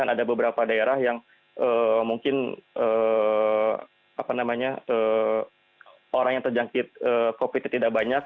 dan ada beberapa daerah yang mungkin orang yang terjangkit covid sembilan belas tidak banyak